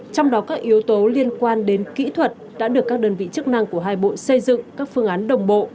trong đó các yếu tố liên quan đến kỹ thuật đã được các đơn vị chức năng của hai bộ xây dựng các phương án đồng bộ